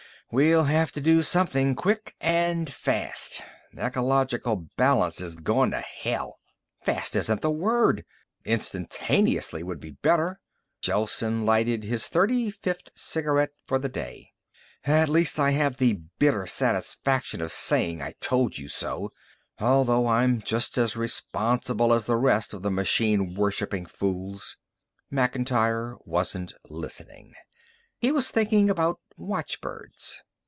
"We'll have to do something quick and fast. Ecological balance is gone to hell." "Fast isn't the word. Instantaneously would be better." Gelsen lighted his thirty fifth cigarette for the day. "At least I have the bitter satisfaction of saying, 'I told you so.' Although I'm just as responsible as the rest of the machine worshipping fools." Macintyre wasn't listening. He was thinking about watchbirds.